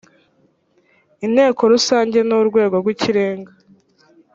inteko rusange ni urwego rw ikirenga